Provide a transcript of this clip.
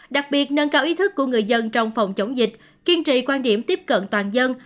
đặc biệt nâng cao ý thức của người dân trong phòng chống dịch kiên trì quan điểm tiếp cận toàn dân